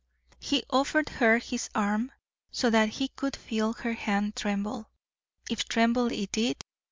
He offered her his arm, so that he could feel her hand tremble, if tremble it did.